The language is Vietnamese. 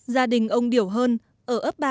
gia đình ông điểu hơn ở ấp ba